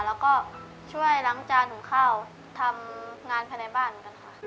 แล้วก็ช่วยล้างจานหุงข้าวทำงานภายในบ้านกันค่ะ